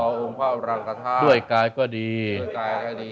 ต่อองค์พระอุรังคธาตุด้วยกายก็ดีด้วยกายก็ดี